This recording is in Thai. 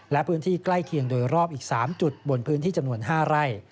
และพื้นที่ใกล้เคียงโดยรอบอีก๓จุดบนพื้นที่จำนวน๕ไร่